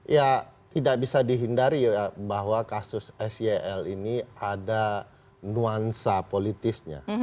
ya tidak bisa dihindari bahwa kasus sel ini ada nuansa politisnya